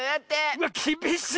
うわっきびしっ！